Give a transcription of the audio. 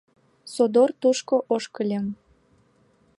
Содор тушко ошкыльым.